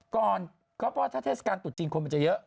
ก่อนก็เปลื้อว่าถ้าเทศกาลตุดจีนมันจะเยอะ